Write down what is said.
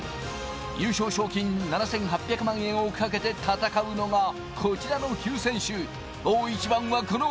優勝賞金７８００万円をかけて戦うのが、こちらの９選手。